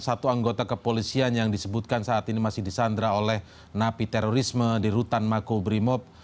satu anggota kepolisian yang disebutkan saat ini masih disandra oleh napi terorisme di rutan makobrimob